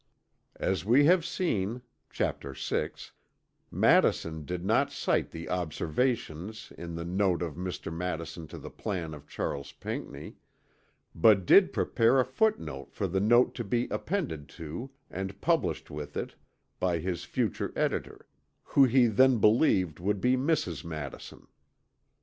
As we have seen (chapter VI) Madison did not cite the Observations in the "Note of Mr. Madison to the plan of Charles Pinckney," but did prepare a footnote for the Note to be appended to and published with it by his future editor who he then believed would be Mrs. Madison.